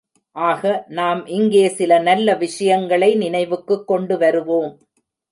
ஆக, நாம் இங்கே சில நல்ல விஷயங்களை நினைவுக்குக் கொண்டு வருவோம்.